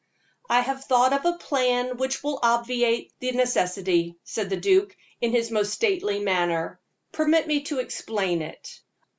"I have thought of a plan which will obviate the necessity," said the duke, in his most stately manner. "Permit me to explain it.